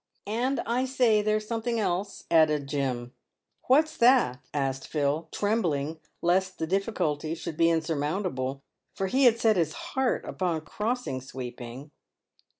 / "And, I say, there's something else," added Jim. " What's that ?" asked Phil, trembling lest the' difficulty should be insurmountable, for he had set his heart upon crossing sweeping.